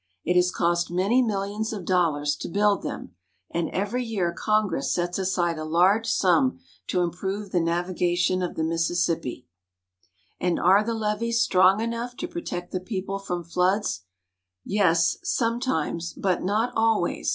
It has cost many millions of dollars to build them, and every year Congress sets aside a large sum to improve the navi gation of the Mississippi. THE LEVEES. 155 And are the levees strong enough to protect the people from floods? Yes ; sometimes, but not always.